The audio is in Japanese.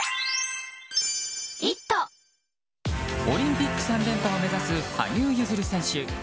オリンピック３連覇を目指す羽生結弦選手。